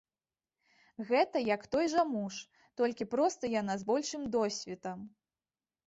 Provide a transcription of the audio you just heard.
Гэта як той жа муж, толькі проста яна з большым досведам.